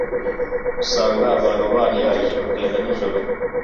usanga abantu bariharaje kugenda ninjoro